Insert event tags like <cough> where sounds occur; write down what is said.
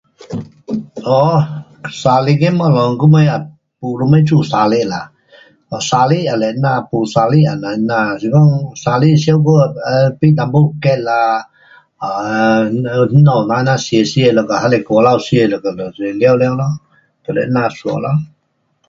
<noise> um 生日的东西，没什么做生日啦，有生日也是那，没生日也是那，是说生日唱歌 um 买一点 cake 啦，um 那家人吃吃一下还是外头吃吃一下就是就寥寥了。就是这样完了。